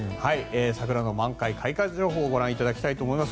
桜の満開開花情報をご覧いただきたいと思います。